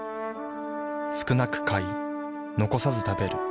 少なく買い残さず食べる。